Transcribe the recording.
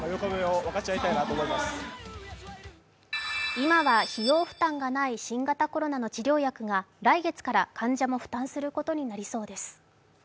今は費用負担がない新型コロナの治療薬が来月から患者も負担することになりそうです。